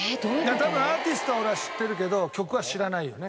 多分アーティストは俺は知ってるけど曲は知らないよね。